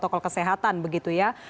kegiatan yang diperlukan